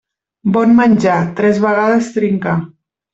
Bon menjar, tres vegades trincar.